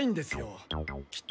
きっと。